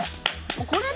これ？